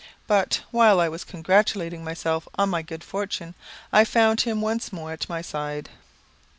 But, while I was congratulating myself on my good fortune, I found him once more at my side.